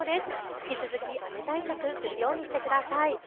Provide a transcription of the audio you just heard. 引き続き雨対策をするようにしてください。